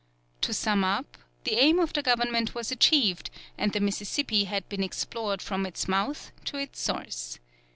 To sum up, the aim of the government was achieved, and the Mississippi had been explored from its mouth to its source.